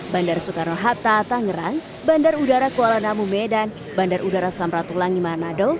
bandara soekarno hatta tangerang bandar udara kuala namu medan bandar udara samratulangi manado